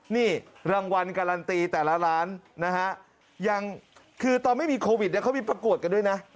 นี่รางวัลการันตีแต่ละล้านนะฮะยังคือตอนไม่มีโควิดเนี่ยเขามีประกวดกันด้วยนะ